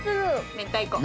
明太子？